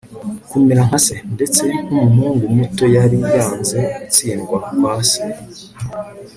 kumera nka se. ndetse nkumuhungu muto yari yanze gutsindwa kwa se